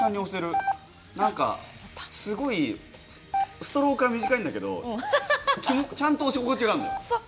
なんか、すごいストロークは短いんだけどちゃんと押し心地があるのよ。